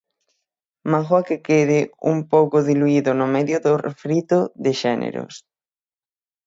Mágoa que quede un pouco diluído no medio do refrito de xéneros.